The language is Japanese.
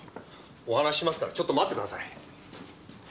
お話ししますからちょっと待ってください。